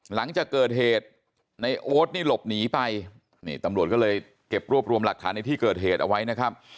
หลังจากเกิดเหตุในโอ๊ตนี่หลบหนีไปนี่ตำรวจก็เลยเก็บรวบรวมหลักฐานในที่เกิดเหตุเอาไว้นะครับ